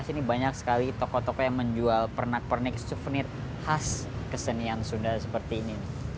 sini banyak sekali toko toko yang menjual pernak pernik souvenir khas kesenian sunda seperti ini